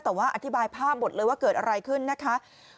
แต่ว่าอธิบายภาพหมดเลยว่าเกิดอะไรขึ้นนะคะ